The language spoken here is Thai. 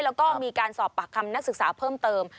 แล้วก็มีการสอบปากคำนักศึกษาเพิ่มเติม